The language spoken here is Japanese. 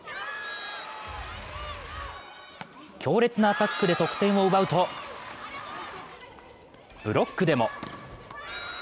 強烈なアタックで得点を奪うと、ブロックでも。